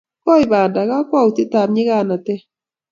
Koi banda, kakwautikab nyikanatet